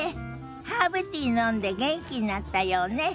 ハーブティー飲んで元気になったようね。